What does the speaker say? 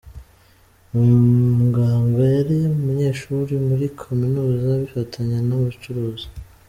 Muganga yari umunyeshuri muri Kaminuza abifatanya n’ ubucuruzi.